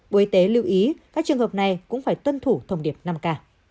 bộ y tế lưu ý các trường hợp này cũng phải tuân thủ thông điệp năm k